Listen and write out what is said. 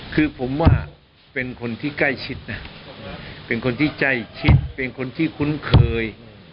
คือผมว่าเป็นคนที่ใกล้ชิดนะเป็นคนที่ใกล้ชิดเป็นคนที่คุ้นเคย